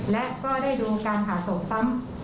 และได้ดูการผ่าโศกซ้ำ